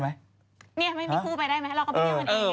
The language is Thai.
ไม่มีคู่ไปได้ไหมเราก็ไปเที่ยวกันเอง